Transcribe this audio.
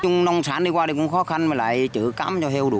nông sản đi qua đây cũng khó khăn mà lại chở cám cho heo đủ